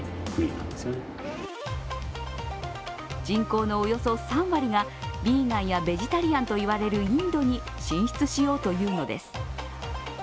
人口のおよそ３割がヴィーガンやベジタリアンと言われるインドに進出しようというのです。